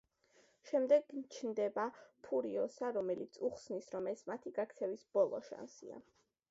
შემდეგ ჩნდება ფურიოსა, რომელიც უხსნის რომ ეს მათი გაქცევის ბოლო შანსია.